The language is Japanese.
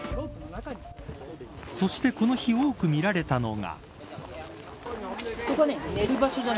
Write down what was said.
そしてこの日多く見られたのが。